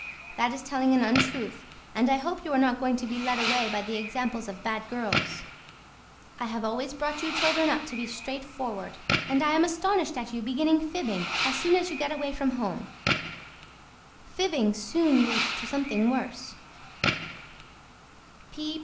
THAT IS TELLING AN UNTRUTH AND I HOPE YOU ARE NOT GOING TO BE LED AWAY BY THE EXAMPLES OF BAD GIRLS. I HAVE ALWAYS BROUGHT YOU CHILDREN UP TO BE STRAIGHTFORWARD AND I AM ASTONISHED AT YOU BEGINNING FIBBING AS SOON AS YOU GET AWAY FROM HOME. FIBBING SOON LEADS TO SOMETHING WORSE.